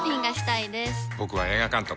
僕は映画監督。